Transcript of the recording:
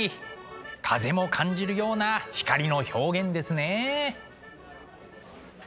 風も感じるような光の表現ですね。